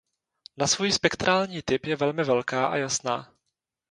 Na svůj spektrální typ je velmi velká a jasná.